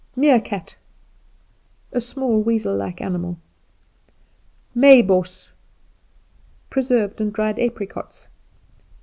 Meerkat A small weazel like animal. Meiboss Preserved and dried apricots.